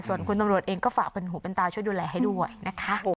ส่วนคุณตำรวจเองก็ฝากเป็นหูเป็นตาช่วยดูแลให้ด้วยนะคะ